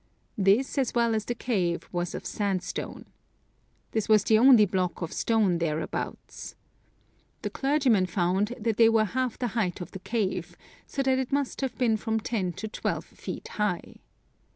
This, as well as the cave, was of sandstone. This was the only block of stone thereabouts. The clergymen found that they were half the height of the cave ; so that it must have been from ten to twelve feet high.